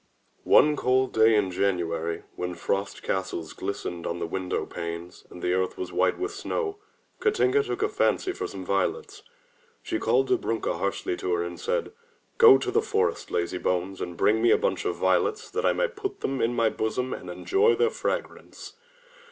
One cold day in January, when frost castles glistened on the window panes and the earth was white with snow, Katinka took a fancy for some violets. She called Dobrunka harshly to her and said, "Go to the forest, lazy bones, and bring me a bunch of violets, that I may put them in my bosom and enjoy their fragrance.